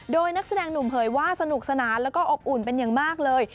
โดยนักแสดงหนุ่มเผยว่าสนุกสนานแล้วก็อบอุ่นเป็นอย่างมากเลย